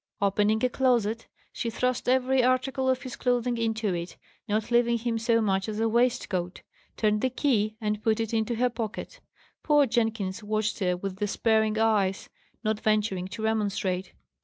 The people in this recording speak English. Opening a closet, she thrust every article of his clothing into it, not leaving him so much as a waistcoat, turned the key, and put it into her pocket. Poor Jenkins watched her with despairing eyes, not venturing to remonstrate.